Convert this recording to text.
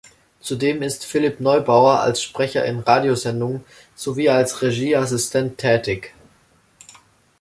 Zudem ist Philipp Neubauer als Sprecher in Radiosendungen sowie als Regie-Assistent tätig.